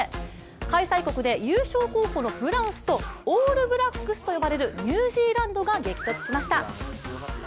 開催国で優勝候補のフランスとオールブラックスと呼ばれるニュージーランドが激突しました。